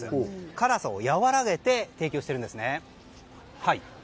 辛さを和らげて提供しているんですね。